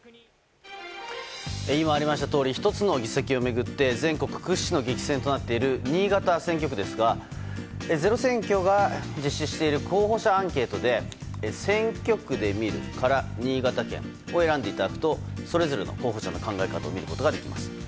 今ありましたとおり１つの議席を巡って全国屈指の激戦となっている新潟選挙区ですが「ｚｅｒｏ選挙」が実施している候補者アンケートで「選挙区で見る」から新潟県を選んでいただくとそれぞれの候補者の考え方を見ることができます。